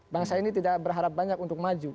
bangsa ini tidak berharap banyak untuk maju